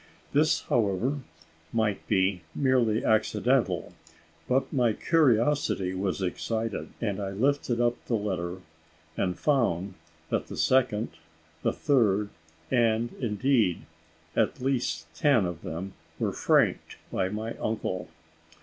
This, however, might be merely accidental; but my curiosity was excited, and I lifted up the letter, and found that the second, the third, and indeed at least ten of them were franked by my uncle.